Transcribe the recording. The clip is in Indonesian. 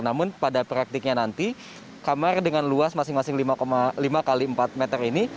namun pada praktiknya nanti kamar dengan luas masing masing lima lima x empat meter ini